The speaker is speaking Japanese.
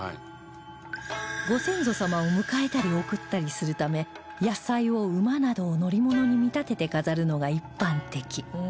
ご先祖様を迎えたり送ったりするため野菜を馬などの乗り物に見立てて飾るのが一般的